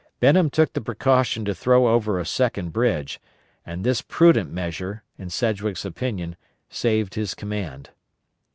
Benham took the precaution to throw over a second bridge, and this prudent measure, in Sedgwick's opinion, saved his command.